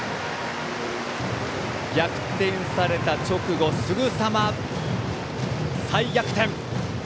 逆転された直後、すぐさま再逆転。